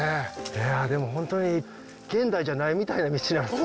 いやでも本当に現代じゃないみたいな道なんですね。